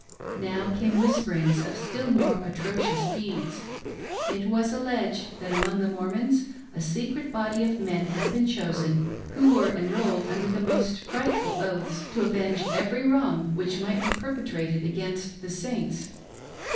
Now came whisperings of still more atrocious deeds. It was alleged that, among the Mormons, a secret body of men had been chosen, who were enrolled, under the most frightful oaths, to avenge every wrong which might be perpetrated against the Saints.